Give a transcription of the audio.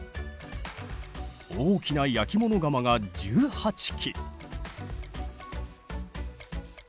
大きな焼き物窯が１８基。